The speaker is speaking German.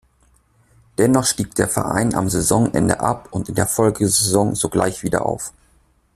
Dennoch stieg der Verein am Saisonende ab und in der Folgesaison sogleich wieder auf.